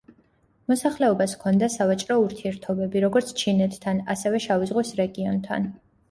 მოსახლეობას ჰქონდა სავაჭრო ურთიერთობები როგორც ჩინეთთან ასევე შავი ზღვის რეგიონთან.